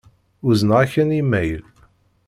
Uzneɣ-ak-n imayl.